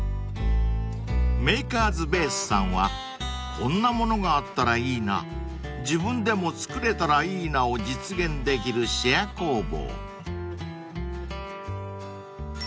［Ｍａｋｅｒｓ’Ｂａｓｅさんは「こんなものがあったらいいな自分でもつくれたらいいな」を実現できるシェア工房］